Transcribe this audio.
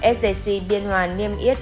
sgc biên hoàn niêm yết